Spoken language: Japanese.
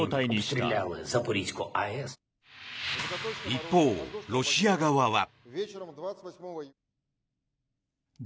一方、ロシア側は。